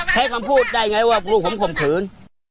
แค่คำพูดได้ไงว่าลูกผมคุมคืน